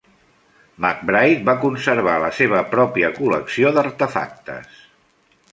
McBride va conservar la seva pròpia col·lecció d'artefactes.